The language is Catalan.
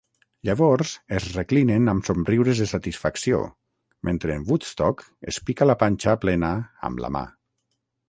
Llavors es reclinen amb somriures de satisfacció mentre en Woodstock es pica la panxa plena amb la mà.